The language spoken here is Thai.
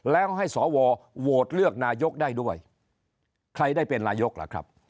แล้วให้สวโหวตเลือกนายกได้ด้วยใครได้เป็นนายกล่ะครับ